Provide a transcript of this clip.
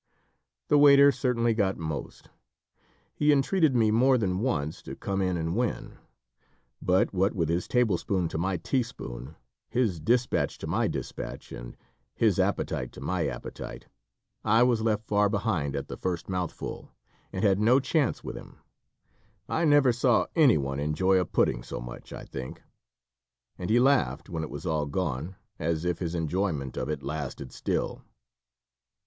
The waiter certainly got most. He entreated me more than once to come in and win, but what with his table spoon to my tea spoon, his despatch to my despatch, and his appetite to my appetite, I was left far behind at the first mouthful, and had no chance with him. I never saw any one enjoy a pudding so much, I think; and he laughed, when it was all gone, as if his enjoyment of it lasted still.